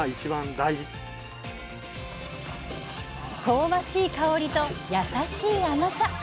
香ばしい香りとやさしい甘さ。